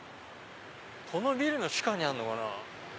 このビルの地下にあるのかな。